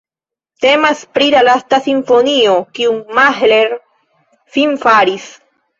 Temas pri la lasta simfonio, kiun Mahler finfaris.